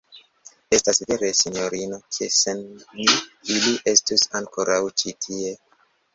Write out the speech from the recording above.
Estas vere, sinjorino, ke, sen ni, ili estus ankoraŭ ĉi tie.